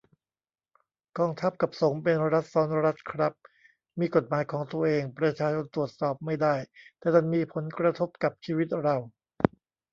กองทัพ กับ สงฆ์ เป็นรัฐซ้อนรัฐครับ มีกฎหมายของตัวเอง ประชาชนตรวจสอบไม่ได้ แต่ดันมีผลกระทบกับชีวิตเรา